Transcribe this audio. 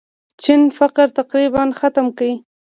چین فقر تقریباً ختم کړ.